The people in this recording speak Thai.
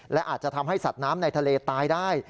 และอาจจะทำให้สัตว์น้ำในทะเลตายได้